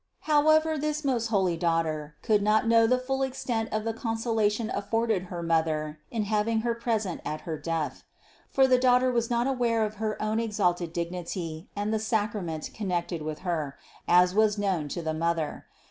723. However this most holy Daughter could not know the full extent of the consolation afforded her mother in having Her present at her death. For the Daughter was not aware of her own exalted dignity and the sacrament connected with Her, as was known to the mother.